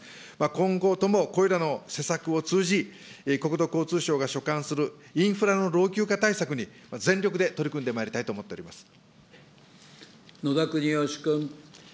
今後ともこれらの施策を通じ、国土交通省が所管するインフラの老朽化対策に全力で取り組んでま野田国義君。